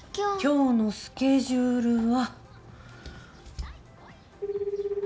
今日のスケジュールは。